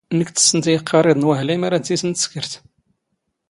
ⵎⴽ ⵜⵙⵙⵏⵜ ⵉ ⵉⵇⵇⴰⵔⵉⴹⵏ ⵡⴰⵀⵍⵉ ⵎⴰ ⵔⴰⴷ ⵙⵉⵙⵏ ⵜⵙⴽⵔⵜ.